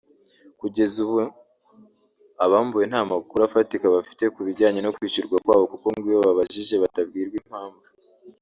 Kugeza ubu abambuwe nta makuru afatika bafite ku bijyanye no kwishyurwa kwabo kuko ngo iyo babajije batabwirwa impamvu